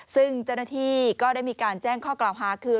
ซึ่งเจ้าหน้าที่ก็ได้มีการแจ้งข้อกล่าวหาคือ